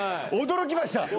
驚きました。